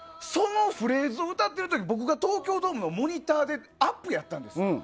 そのフレーズを歌ってるとき、僕が東京ドームのモニターでアップやったんですよ。